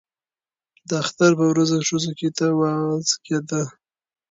د اختر په ورځو کې ښځو ته وعظ کېده.